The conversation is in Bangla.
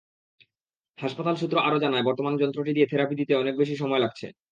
হাসপাতাল সূত্র আরও জানায়, বর্তমানে যন্ত্রটি দিয়ে থেরাপি দিতে সময় অনেক বেশি লাগছে।